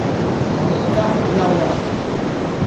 我依家好嬲呀